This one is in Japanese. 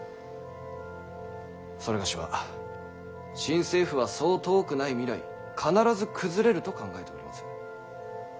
某は新政府はそう遠くない未来に必ず崩れると考えております。